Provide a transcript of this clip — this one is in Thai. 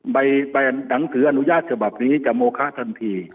หนังสืออนุญาตฉบับนี้จะโมคะทันที